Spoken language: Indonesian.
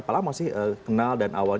kalian kan dari maomere